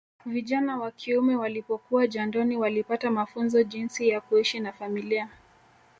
Vijana wa kiume walipokuwa jandoni walipata mafunzo jinsi ya kuishi na familia